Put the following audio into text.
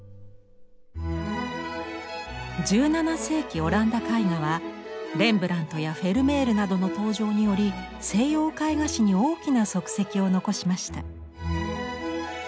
１７世紀オランダ絵画はレンブラントやフェルメールなどの登場により西洋絵画史に大きな足跡を残しました。